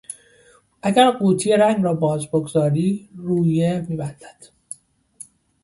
اگر قوطی رنگ را باز بگذاری رویه میبندد.